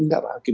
tidak pak hakim